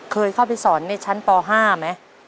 เคยเข้าไปสอนในชั้นป๕ไหม